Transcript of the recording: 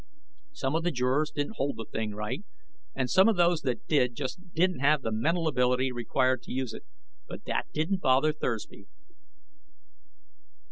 Some of the jurors didn't hold the thing right, and some of those that did just didn't have the mental ability required to use it. But that didn't bother Thursby.